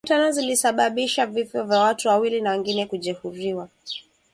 kwenye mkutano zilisababisha vifo vya watu wawili na wengine kujeruhiwa